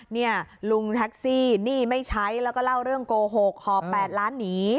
เนี่ยลุงแท็กซี่หนี้ไม่ใช้แล้วก็เล่าเรื่องโกหกหอบ๘ล้านหนี